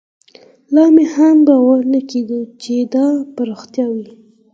لا مې هم باور نه کېده چې دا به رښتيا وي.